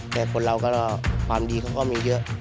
แต่คนเราก็ความดีเขาก็มีเยอะ